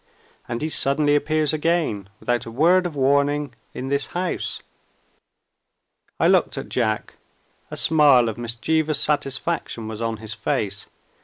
And he suddenly appears again, without a word of warning, in this house." I looked at Jack. A smile of mischievous satisfaction was on his face.